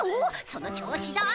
その調子だ。